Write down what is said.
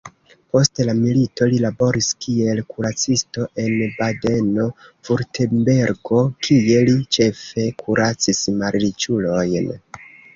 Post la milito li laboris kiel kuracisto en Badeno-Vurtembergo, kie li ĉefe kuracis malriĉulojn.